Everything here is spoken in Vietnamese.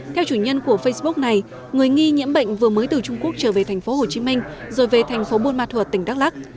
theo chủ nhân của facebook này người nghi nhiễm bệnh vừa mới từ trung quốc trở về thành phố hồ chí minh rồi về thành phố buôn ma thuật tỉnh đắk lắc